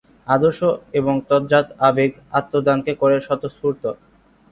আদর্শ এবং তজ্জাত আবেগ আত্মদানকে করে স্বতস্ফূর্ত।